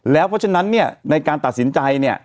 เพราะฉะนั้นเนี่ยในการตัดสินใจเนี่ย